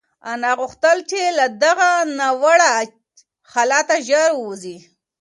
انا غوښتل چې له دغه ناوړه حالته ژر ووځي.